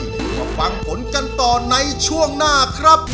มาฟังผลกันต่อในช่วงหน้าครับ